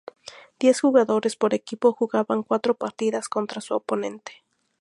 Diez jugadores por equipo jugaban cuatro partidas contra su oponente.